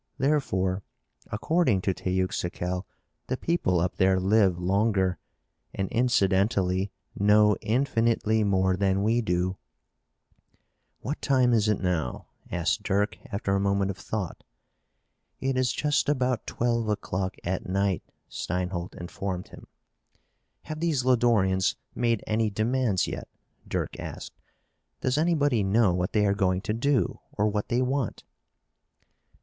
Therefore, according to Teuxical, the people up there live longer and, incidentally, know infinitely more than we do." "What time is it now?" asked Dirk, after a moment of thought. "It is just about twelve o'clock at night," Steinholt informed him. "Have these Lodorians made any demands yet?" Dirk asked. "Does anybody know what they are going to do or what they want?"